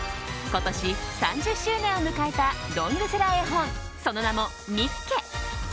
今年３０周年を迎えたロングセラー絵本その名も「ミッケ！」。